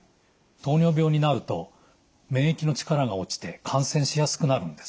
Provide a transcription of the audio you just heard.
糖尿病になると免疫の力が落ちて感染しやすくなるんです。